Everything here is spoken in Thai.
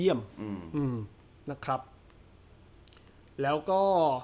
อืมอืมนะครับแล้วก็